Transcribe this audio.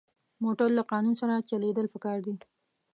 موټر له قانون سره چلېدل پکار دي.